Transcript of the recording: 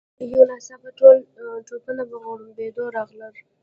یو ناڅاپه ټول توپونه په غړمبېدو راغلل.